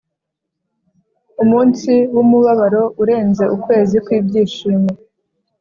umunsi wumubabaro urenze ukwezi kwibyishimo